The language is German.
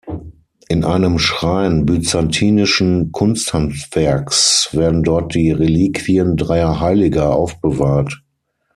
In einem Schrein byzantinischen Kunsthandwerks werden dort die Reliquien dreier Heiliger aufbewahrt.